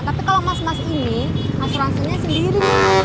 tapi kalo mas mas ini asuransinya sendiri